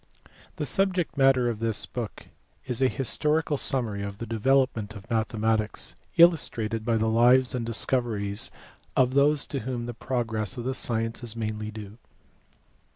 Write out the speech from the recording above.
THE subject matter of this book is a historical sum mary of the development of mathematics, illustrated by the lives and discoveries of those to whom the progress of the science is mainly due.